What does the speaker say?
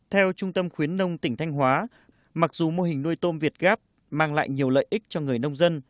theo trung tâm khuyến nông tỉnh thanh hóa mặc dù mô hình nuôi tôm việt gáp mang lại nhiều lợi ích cho người nông dân